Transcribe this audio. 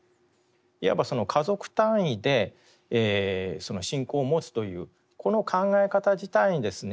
いわばその家族単位で信仰を持つというこの考え方自体にですね